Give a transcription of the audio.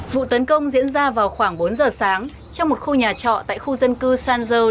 vụ tấn công diễn ra vào khoảng bốn giờ sáng trong một khu nhà trọ tại khu dân cư sanzo